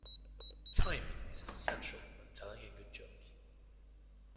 Timing is essential when telling a good joke.